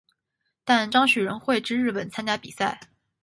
但张栩仍会至日本参加比赛。